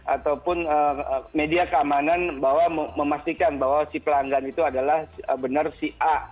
ataupun media keamanan bahwa memastikan bahwa si pelanggan itu adalah benar si a